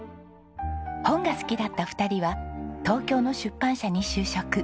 本が好きだった２人は東京の出版社に就職。